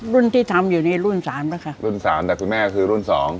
รุ่นที่ทำอยู่นี่รุ่นสามแล้วค่ะรุ่นสามแต่คุณแม่คือรุ่นสอง